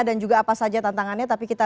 dan juga apa saja tantangannya tapi kita